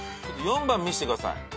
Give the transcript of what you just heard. ４番見せてください。